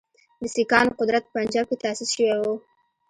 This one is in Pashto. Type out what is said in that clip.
د سیکهانو قدرت په پنجاب کې تاسیس شوی وو.